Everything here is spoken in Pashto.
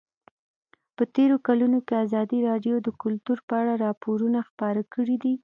په تېرو کلونو کې ازادي راډیو د کلتور په اړه راپورونه خپاره کړي دي.